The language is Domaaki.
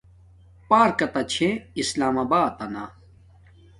پارکتہ چھے اسلام آباتنا